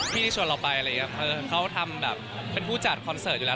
พี่ที่ชวนเราไปเขาทำแบบเป็นผู้จัดคอนเสิร์ตอยู่แล้ว